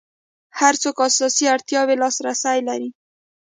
هر څوک اساسي اړتیاوو لاس رسي ولري.